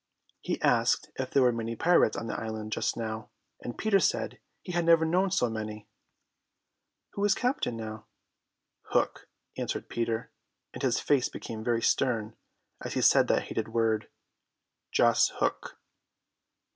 He asked if there were many pirates on the island just now, and Peter said he had never known so many. "Who is captain now?" "Hook," answered Peter, and his face became very stern as he said that hated word. "Jas. Hook?"